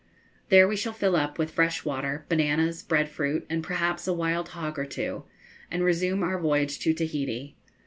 There we shall fill up with fresh water, bananas, bread fruit, and perhaps a wild hog or two, and resume our voyage to Tahiti.